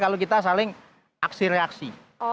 kalau kita saling aksi reaksi